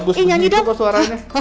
eh nyanyi dong